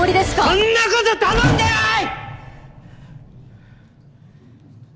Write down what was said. そんなこと頼んでない！！